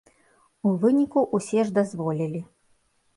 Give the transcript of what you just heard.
У выніку, усе ж дазволілі.